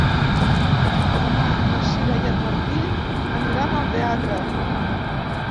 Demà na Sira i en Martí aniran al teatre.